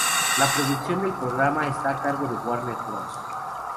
La producción del programa está a cargo de Warner Bros.